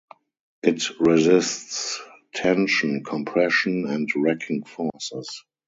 It resists tension, compression, and racking forces.